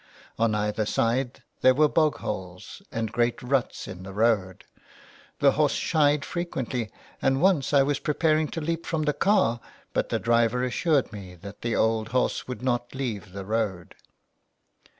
On either side there were bog holes, and great ruts in the road, the horse shied frequently, and once I was preparing to leap from the car but the driver assured me that the old horse would not leave the road.